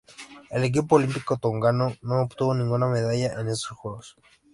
El equipo olímpico tongano no obtuvo ninguna medalla en estos Juegos.